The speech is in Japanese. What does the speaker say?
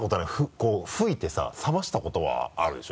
こう吹いてさ冷ましたことはあるでしょ？